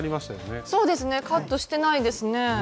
そうですねカットしてないですね。